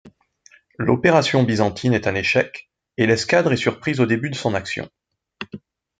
L'opération byzantine est un échec et l'escadre est surprise au début de son action.